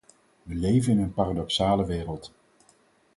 We leven in een paradoxale wereld.